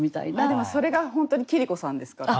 でもそれが本当に桐子さんですから。